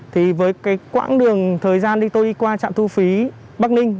thì với cái quãng đường thời gian đi tôi đi qua trạm thu phí bắc ninh